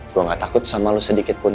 gue gak takut sama lu sedikit pun